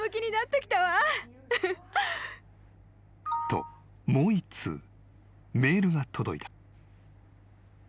［ともう１通メールが届いた］